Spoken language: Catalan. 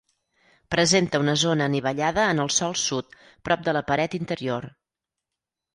Presenta una zona anivellada en el sòl sud, prop de la paret interior.